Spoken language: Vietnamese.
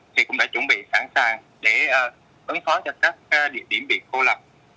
thì cũng đã chuẩn bị sẵn sàng để ứng phó cho các địa điểm bị cô lập